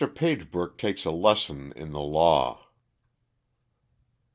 Pagebrook Takes a Lesson in the Law.